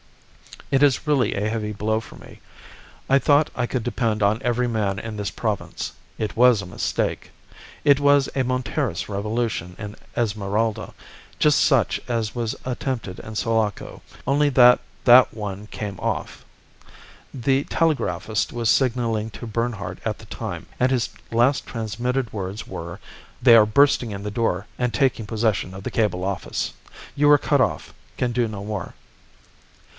It is really a heavy blow for me. I thought I could depend on every man in this province. It was a mistake. It was a Monterist Revolution in Esmeralda, just such as was attempted in Sulaco, only that that one came off. The telegraphist was signalling to Bernhardt all the time, and his last transmitted words were, 'They are bursting in the door, and taking possession of the cable office. You are cut off. Can do no more.